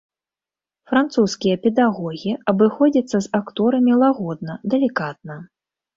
Французскія педагогі абыходзяцца з акторамі лагодна, далікатна.